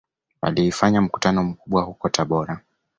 Walifanya mkutano mkubwa huko Tabora